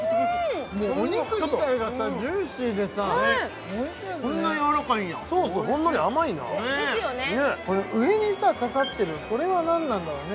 もうお肉自体がさジューシーでさおいしいですねこんなやわらかいんやソースほんのり甘いな上にさかかってるこれは何なんだろうね？